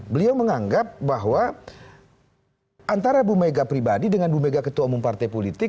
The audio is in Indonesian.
beliau menganggap bahwa antara bu mega pribadi dengan bu mega ketua umum partai politik